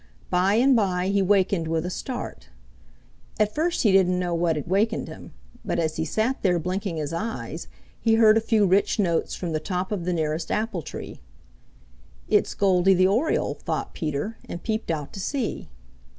By and by he wakened with a start. At first he didn't know what had wakened him, but as he sat there blinking his eyes, he heard a few rich notes from the top of the nearest apple tree. "It's Goldy the Oriole," thought Peter, and peeped out to see.